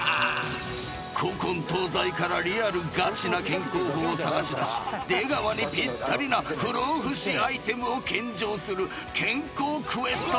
［古今東西からリアルガチな健康法を探し出し出川にぴったりな不老不死アイテムを献上する健康クエストバラエティー］